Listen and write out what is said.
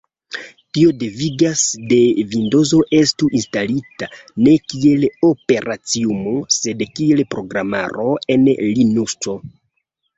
Tio devigas ke Vindozo estu instalita, ne kiel operaciumo, sed kiel programaro en Linukso.